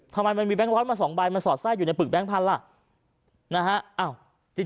ทำไมมันมีแบงค์ร้อยมา๒ใบมันสอดไส้อยู่ในปึกแบงค์พันธุ์ล่ะ